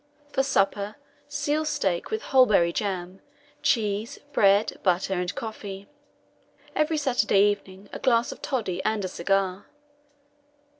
For supper, seal steak, with whortleberry jam, cheese, bread, butter, and coffee. Every Saturday evening a glass of toddy and a cigar.